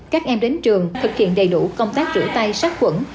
các em đến trường thực hiện đầy đủ công tác rửa tay sát quẩn